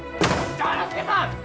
丈之助さん！